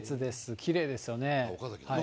きれいですよね。